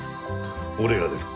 俺が出る。